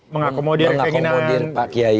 mengakomodir keinginan pak kiai